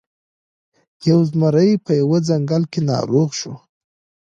یو زمری په یوه ځنګل کې ناروغ شو.